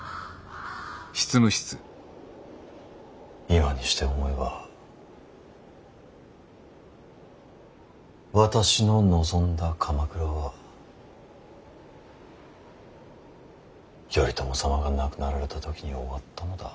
今にして思えば私の望んだ鎌倉は頼朝様が亡くなられた時に終わったのだ。